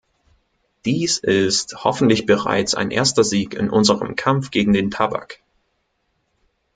Dies ist hoffentlich bereits ein erster Sieg in unserem Kampf gegen den Tabak.